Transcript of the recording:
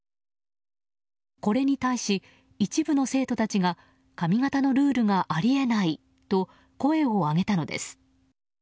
これに対し、一部の生徒たちが髪形のルールがあり得ないと声を上げたのです。